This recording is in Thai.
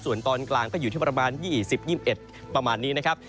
ส่วนตอนกลางก็อยู่ที่ประมาณ๒๐๒๑ประมาณนี้นะครับ